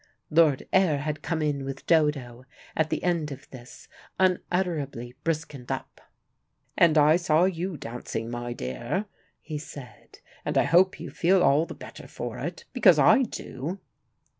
Lord Ayr had come in with Dodo, at the end of this, unutterably briskened up. "And I saw you dancing, my dear," he said. "And I hope you feel all the better for it, because I do."